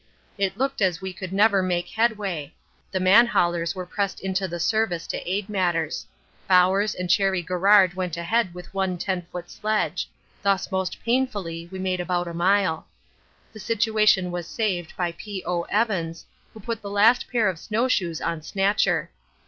It looked as we could never make headway; the man haulers were pressed into the service to aid matters. Bowers and Cherry Garrard went ahead with one 10 foot sledge, thus most painfully we made about a mile. The situation was saved by P.O. Evans, who put the last pair of snowshoes on Snatcher.